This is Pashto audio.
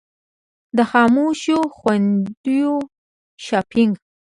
د خاموشو خویندو شاپنګ.